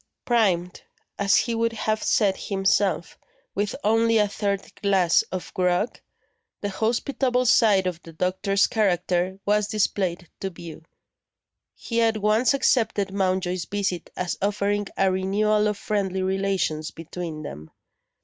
Primed, as he would have said himself, with only a third glass of grog, the hospitable side of the doctor's character was displayed to view. He at once accepted Mountjoy's visit as offering a renewal of friendly relations between them.